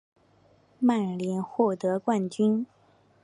曼联获得冠军。